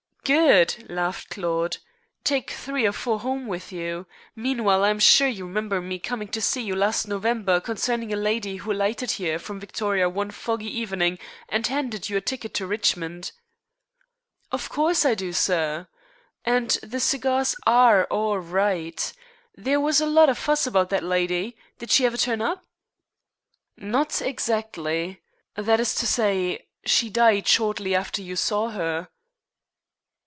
"Good!" laughed Claude. "Take three or four home with you. Meanwhile I am sure you remember me coming to see you last November concerning a lady who alighted here from Victoria one foggy evening and handed you a ticket to Richmond?" "Of course I do, sir. And the cigars are all right. There was a lot of fuss about that lydy. Did she ever turn up?" "Not exactly. That is to say, she died shortly after you saw her."